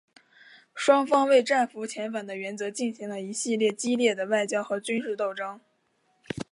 双方为战俘遣返的原则进行了一系列激烈的外交和军事斗争。